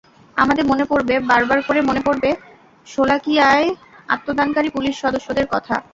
আমাদের মনে পড়বে, বারবার করে মনে পড়বে, শোলাকিয়ায় আত্মদানকারী পুলিশ সদস্যদের কথা।